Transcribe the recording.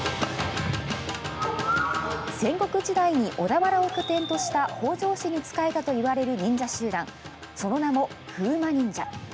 戦国時代に小田原を拠点とした北条氏に仕えたといわれる忍者集団、その名も風魔忍者。